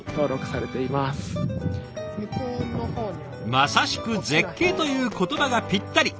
まさしく絶景という言葉がぴったり。